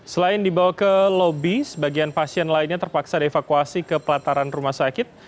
selain dibawa ke lobi sebagian pasien lainnya terpaksa dievakuasi ke pelataran rumah sakit